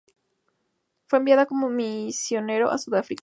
Fue enviado como misionero a Sudáfrica.